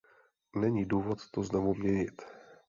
Není důvod to znovu měnit.